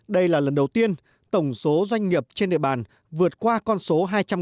đây là lần đầu tiên tổng số doanh nghiệp trên địa bàn vượt qua con số hai trăm linh